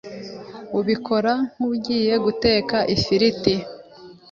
ubikora nk’ugiye guteka ifiriti